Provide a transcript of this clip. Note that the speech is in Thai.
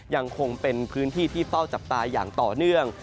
ยังคงเป็นพื้นที่ที่เฝ้าจับตาอย่างต่อเนื่อง